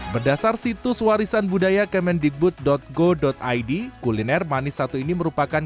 berdasar situs warisan budaya kemendikbud go id kuliner manis satu ini merupakan